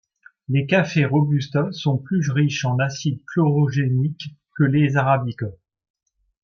Les cafés robusta sont plus riches en acides chlorogéniques que les arabica.